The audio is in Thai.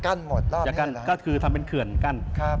กั้นหมดรอบนี้คือทำเป็นเขื่อนกั้น